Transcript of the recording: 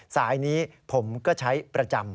สายนี้ผมก็ใช้ประจำ